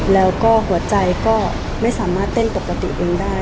แล้วก็หัวใจก็ไม่สามารถเต้นปกติเองได้